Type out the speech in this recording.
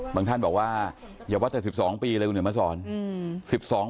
บางท่านบอกว่าอย่าว่าแต่๑๒ปีเลยเหนียวมาสอน